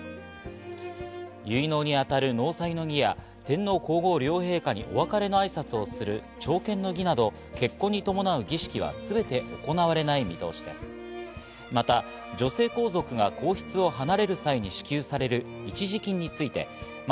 結納に当たる納采の儀や、天皇皇后両陛下にお別れの挨拶をする朝見の儀など、結婚に伴う儀式はすべて行われない見通しです。